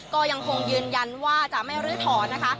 ก็ยังคงยืนยันว่าจะไม่ลื้อถอนนะคะ